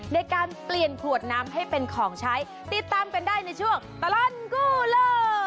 ในการเปลี่ยนขวดน้ำให้เป็นของใช้ติดตามกันได้ในช่วงตลอดกู้โลก